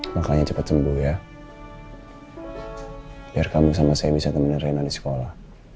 makanya cepet sembuh ya biar kamu sama saya bisa menerima di sekolah